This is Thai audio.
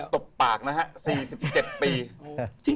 ตบปากนะฮะ๔๗ปี